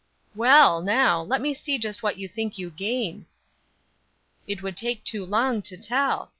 "Well, now, let me see just what you think you gain." "It would take too long to tell.